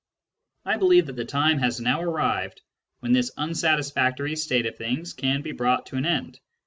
I believe that the time has now arrived when this unsatisfactory state of things can be brought to an end.